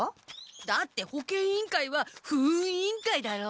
だって保健委員会は不運委員会だろう？